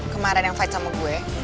kemarin yang fight sama gue